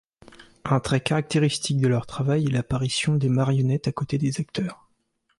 Un trait caractéristique de leur travail est l'apparition des marionnettes à côté des acteurs.